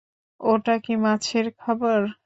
ওটা কি মাছের খাবার?